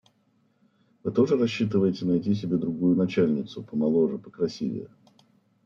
Вы тоже рассчитываете найти себе другую начальницу, помоложе, покрасивее.